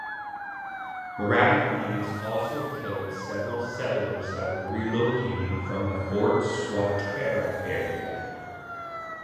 Marauding Indians also killed several settlers that were relocating from the Fort Swatara area.